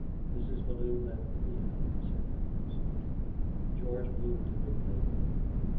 Mrs. Bellew left the piano, and sat down beside her. George moved into the bay window.